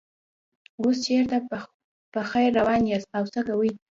اوس چېرته په خیر روان یاست او څه کوئ.